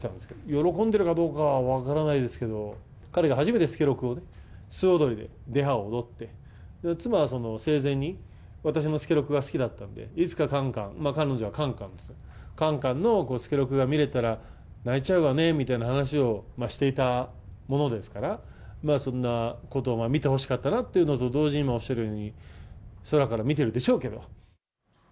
喜んでるかどうかは分からないですけど、彼が初めて助六をスタジオ撮りでリハを踊って、妻は生前に、私の助六が好きだったんで、いつかかんかん、彼女はかんかんといってたんですが、かんかんの助六が見れたら泣いちゃうわねみたいな話をしていたものですから、そんなこと、見てほしかったのと同時に、おっしゃるように、空から見てるでしょうけど。